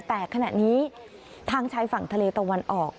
แต่ขณะนี้ทางชายฝั่งทะเลตะวันออก